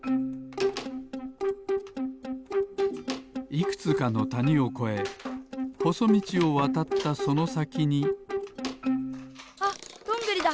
いくつかのたにをこえほそみちをわたったそのさきにあっドングリだ！